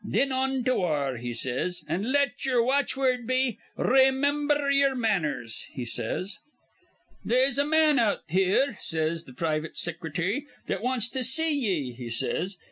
'Thin on to war,' he says; 'an' let ye'er watchword be, "Raymimber ye'er manners,"' he says. "'They'se a man out here,' says th' privit sicrity, 'that wants to see ye,' he says.